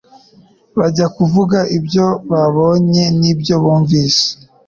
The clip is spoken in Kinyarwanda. bajya kuvuga ibyo babonye n'ibyo bumvise.